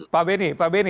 pak beni pak beni